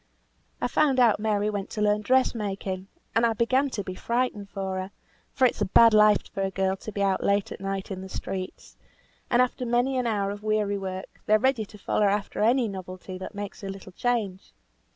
I found out Mary went to learn dress making, and I began to be frightened for her; for it's a bad life for a girl to be out late at night in the streets, and after many an hour of weary work, they're ready to follow after any novelty that makes a little change.